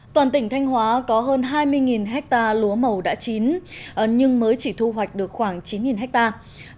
toàn tỉnh thanh hóa có hơn hai mươi hectare lúa màu đã chín nhưng mới chỉ thu hoạch được khoảng chín hectare